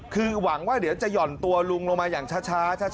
คือหวังว่าเดี๋ยวจะห่อนตัวลุงลงมาอย่างช้า